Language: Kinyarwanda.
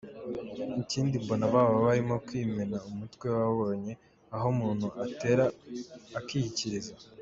Ikindi mbona baba barimo kwimena umutwe, wabonye aho umuntu atera akiyikiriza” ?.